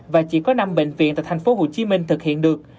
và chỉ có năm bệnh viện tại tp hcm thực hiện được